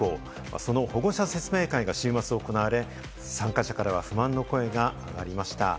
その保護者説明会が週末行われ、参加者からは不満の声が上がりました。